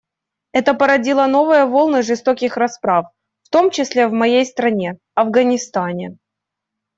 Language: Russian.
Это породило новые волны жестоких расправ, в том числе в моей стране, Афганистане.